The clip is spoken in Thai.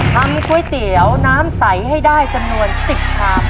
ทำก๋วยเตี๋ยวน้ำใสให้ได้จำนวน๑๐ชาม